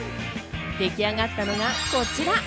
出来上がったのが、こちら。